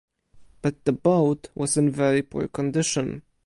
But the boat was in very poor condition.